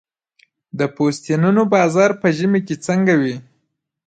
د پوستینونو بازار په ژمي کې څنګه وي؟